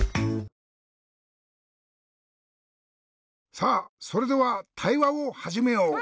さあそれではたいわをはじめよう。